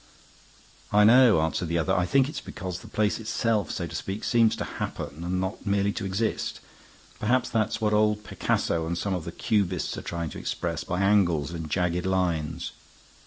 "I know," answered the other. "I think it's because the place itself, so to speak, seems to happen and not merely to exist. Perhaps that's what old Picasso and some of the Cubists are trying to express by angles and jagged lines.